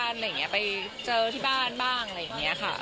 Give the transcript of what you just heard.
อะไรอย่างนี้ไปเจอที่บ้านบ้างอะไรอย่างนี้ค่ะ